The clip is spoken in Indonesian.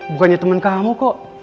bukannya temen kamu kok